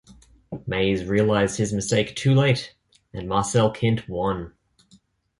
Maes realised his mistake too late and Marcel Kint won.